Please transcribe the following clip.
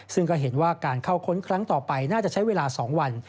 ซึ่งก็เห็นว่าการเข้าค้นครั้งต่อไปน่าจะใช้เวลา๒วัน